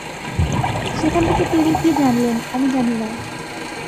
সেখান থেকে তিনি কী জানলেন, আমি জানি না।